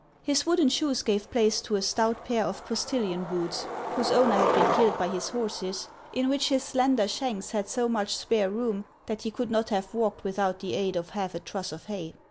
His wooden shoes gave place to a stout pair of postilion boots, whose owner had been killed by his horses, in which his slender shanks had so much spare room that he could not have walked without the aid of half a truss of hay.